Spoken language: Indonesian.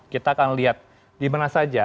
kita akan lihat di mana saja